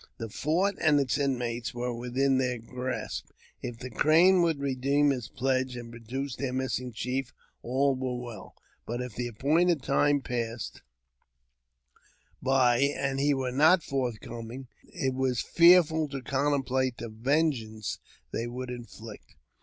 The fort and its inmates were within their grasp ; if the Crane would redeem his pledge and produce their lissing chief, all were well ; but if the appointed time passed ^y, and he were not forthcoming, it was fearful to contemplate le vengeance they would inflict.